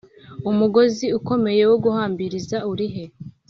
Umugozi ukomeye wo guhambiriza urihe